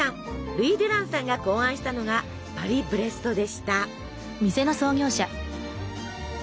ルイ・デュランさんが考案したのがパリブレストでした。